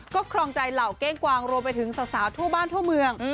ก็ครองใจเหล่าเก้งกวางรวมไปถึงสาวทั่วบ้านทั่วเมือง